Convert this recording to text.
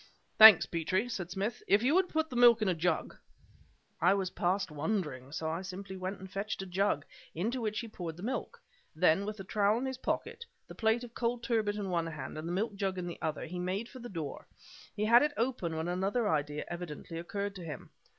"Thanks, Petrie," said Smith "If you would put the milk in a jug " I was past wondering, so I simply went and fetched a jug, into which he poured the milk. Then, with the trowel in his pocket, the plate of cold turbot in one hand and the milk jug in the other, he made for the door. He had it open when another idea evidently occurred to him.